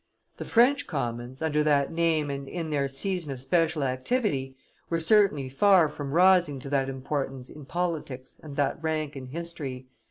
The French commons, under that name and in their season of special activity, were certainly far from rising to that importance in politics and that rank in history.